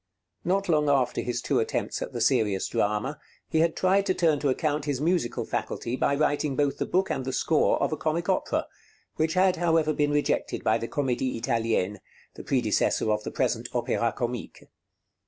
Not long after his two attempts at the serious drama, he had tried to turn to account his musical faculty by writing both the book and the score of a comic opera, which had, however, been rejected by the Comédie Italienne (the predecessor of the present Opéra Comique).